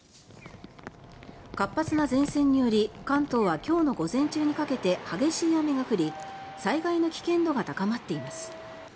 活発な前線により関東は今日の午前中にかけて激しい雨が降り災害の危険度が高まっています。